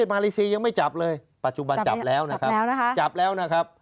ไม่จับเลยปัจจุบันจับแล้วนะครับจับแล้วนะครับ